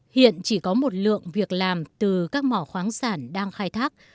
hiện chỉ có một lượng việc làm từ các mỏ khoáng sản đang khai thác